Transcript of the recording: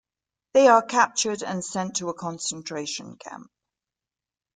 They are captured and sent to a concentration camp.